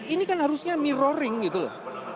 ini kan harusnya mirroring gitu loh